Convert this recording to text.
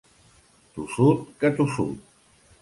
Tossut que tossut.